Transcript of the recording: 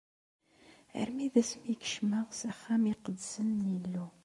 Armi d Ass mi i kecmeɣ s axxam iqedsen n Yillu.